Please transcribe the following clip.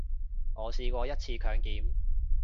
我試過一次強檢